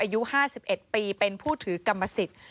อายุห้าสิบเอ็ดปีเป็นผู้ถือกรรมสิทธิ์